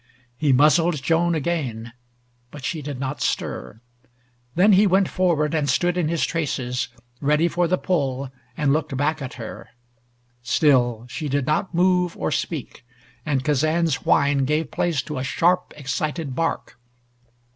He muzzled Joan again, hut she did not stir. Then he went forward, and stood in his traces, ready for the pull, and looked hack at her. Still she did not move or speak, and Kazan's whine gave place to a sharp excited bark.